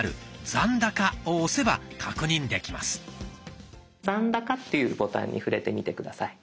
「残高」っていうボタンに触れてみて下さい。